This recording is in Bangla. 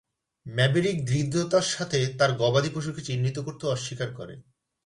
ম্যাভেরিক দৃঢ়তার সাথে তার গবাদি পশুকে চিহ্নিত করতে অস্বীকার করে।